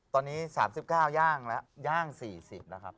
ตอนนี้๓๙ย่างแล้วย่าง๔๐นะครับ